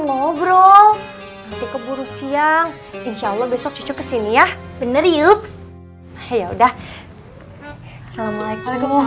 ngobrol nanti keburu siang insya allah besok cucu kesini ya bener yuk ya udah assalamualaikum warahmatullahi wabarakatuh